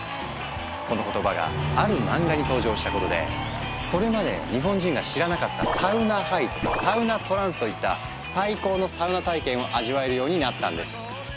この言葉がある漫画に登場したことでそれまで日本人が知らなかった「サウナハイ」とか「サウナトランス」といった最高のサウナ体験を味わえるようになったんです。